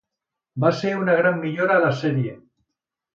Va ser una gran millora a la sèrie.